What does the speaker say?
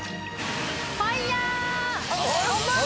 ファイヤー！